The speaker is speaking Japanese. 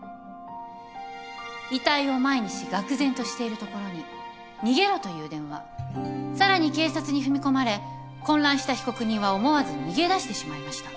遺体を前にしがく然としているところに逃げろという電話さらに警察に踏み込まれ混乱した被告人は思わず逃げ出してしまいました。